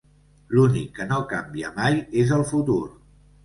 L'únic que no canvia mai és el futur.